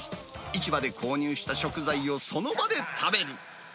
市場で購入した食材をその場で食べる。